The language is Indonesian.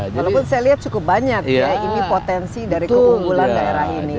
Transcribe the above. walaupun saya lihat cukup banyak ya ini potensi dari keunggulan daerah ini